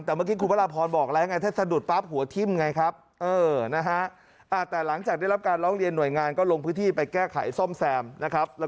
แต่เมื่อกี้คุณพระราบพรบอกอะไรถ้าดุดปั๊บหัวทิ้มไงครับ